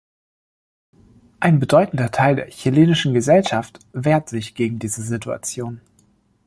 Ein bedeutender Teil der chilenischen Gesellschaft wehrt sich gegen diese Situation.